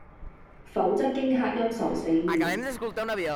否則驚嚇憂愁死了，